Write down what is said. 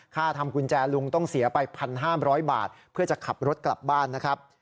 ทำกุญแจลุงต้องเสียไป๑๕๐๐บาทเพื่อจะขับรถกลับบ้านนะครับ